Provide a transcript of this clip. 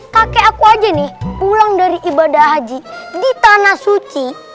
kakek aku aja nih pulang dari ibadah haji di tanah suci